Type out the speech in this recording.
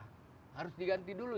harus diganti dulu